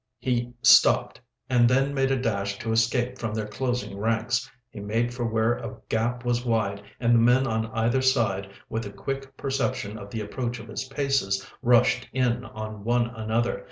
He stopped, and then made a dash to escape from their closing ranks. He made for where a gap was wide, and the men on either side, with a quick perception of the approach of his paces, rushed in on one another.